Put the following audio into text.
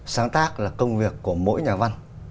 sáng tác là công việc của mỗi nhà văn